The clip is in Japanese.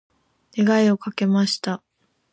願いをかけました。